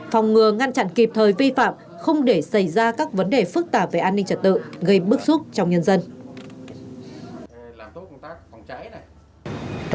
phòng ngừa ngăn chặn kịp thời vi phạm không để xảy ra các vấn đề phức tạp về an ninh trật tự